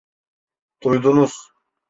Duydunuz!